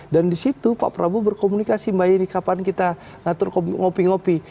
dan di situ pak prabowo berkomunikasi mbak ieni kapan kita ngopi ngopi